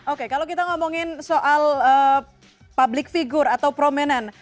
oke kalau kita ngomongin soal publik figur atau prominent